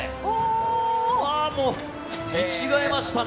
もう見違えましたね！